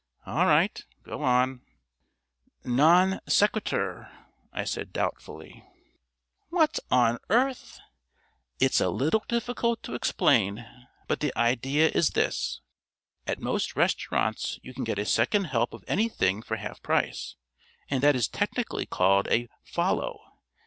"All right. Go on." "Non sequitur," I said doubtfully. "What on earth " "It's a little difficult to explain, but the idea is this. At most restaurants you can get a second help of anything for half price, and that is technically called a 'follow.'